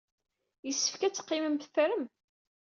Yessefk ad teqqimem teffrem.